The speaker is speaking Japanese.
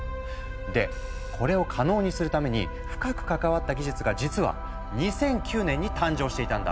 でこれを可能にするために深く関わった技術が実は２００９年に誕生していたんだ。